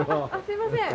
すみません。